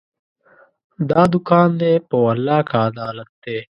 دا دوکان دی، په والله که عدالت دی